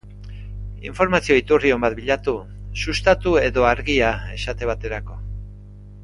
Informazio iturri on bat bilatu, Sustatu edo Argia esate baterako.